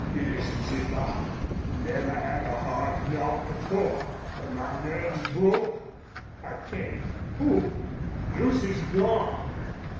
"'Pears as if I never had a hard knock before. Fer my nerve's broke. I can't hope.... Lucy's gone!